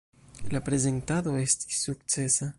La prezentado estis sukcesa.